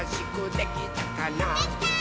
できたー！